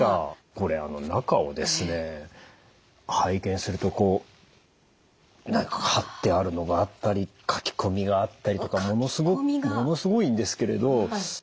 これ中をですね拝見するとこう貼ってあるのがあったり書き込みがあったりとかものすごいんですけれど。